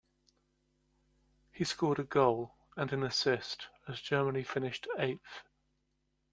He scored a goal and an assist as Germany finished eighth.